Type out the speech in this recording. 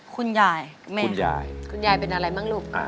คุณยายเป็นอะไรบ้างลูก